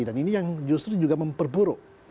dan ini yang justru juga memperburuk